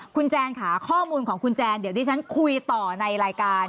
คุณแจนค่ะข้อมูลของคุณแจนเดี๋ยวที่ฉันคุยต่อในรายการ